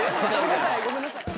ごめんなさい。